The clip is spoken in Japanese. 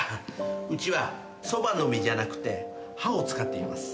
うちはソバの実じゃなくて歯を使っています。